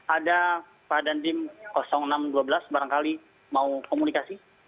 ada pak dandim enam ratus dua belas barangkali mau komunikasi